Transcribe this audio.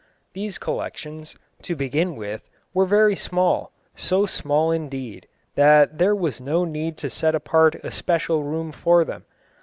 These collections, to begin with, were very small; so small, indeed, that there was no need to set apart a special room for them.